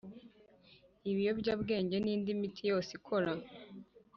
ibiyobyabwenge n indi miti yose ikora